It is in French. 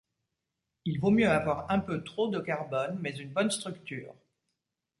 Il vaut mieux avoir un peu trop de carbone mais une bonne structure.